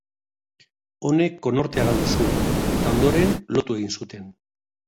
Honek konortea galdu zuen eta ondoren, lotu egin zuten.